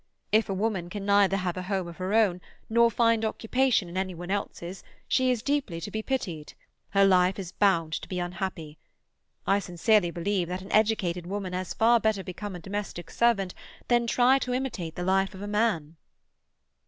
If a woman can neither have a home of her own, nor find occupation in any one else's she is deeply to be pitied; her life is bound to be unhappy. I sincerely believe that an educated woman had better become a domestic servant than try to imitate the life of a man."